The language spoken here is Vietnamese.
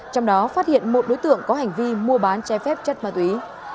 trong đó phát hiện một đối tượng có hành vi mua bán chai phép chất ma túy